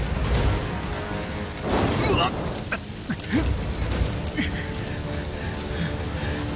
うわっ！